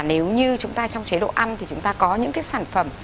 nếu như chúng ta trong chế độ ăn thì chúng ta có những cái sản phẩm